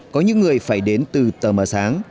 có những người phải đến từ tờ mở sáng